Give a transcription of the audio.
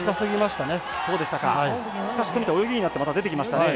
しかし富田、泳ぎになってまた出てきましたね。